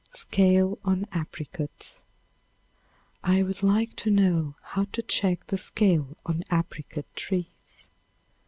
Scale on Apricots. I would like to know how to check the scale on apricot trees.